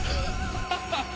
ハハハハ！